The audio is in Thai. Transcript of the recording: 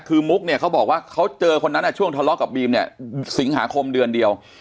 คือมุกเนี่ยเขาบอกว่าเขาเจอคนนั้นช่วงทะเลาะกับบีมเนี่ยสิงหาคมเดือนเดียว